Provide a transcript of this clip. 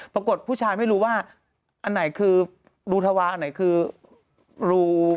ผู้ชายไม่รู้ว่าอันไหนคือรูทวาอันไหนคือรู